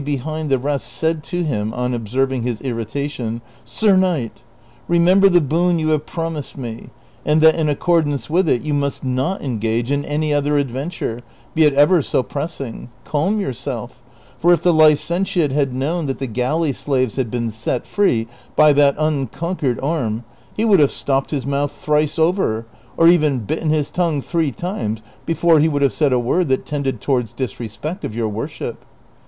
behind the rest said to him, on observing his irritation, " Sir Knight, remember the boon you have promised me, and that in accordance with it you must not engage in any other adventure, be it ever so pressing ; calm yourself, for if the licentiate had known that the galley slaves had been set free by that uncon quered arm he would have stopped his mouth thrice over, or even bitten his tongue three times before he would have said a word that tended towards disrespect of your worship."